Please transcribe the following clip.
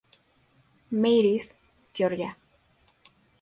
Marys, Georgia.